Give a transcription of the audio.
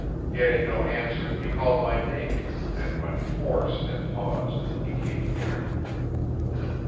Getting no answer he called my name, and when Force had paused he came near.